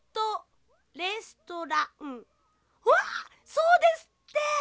そうですって！